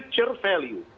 dan juga kegagalan value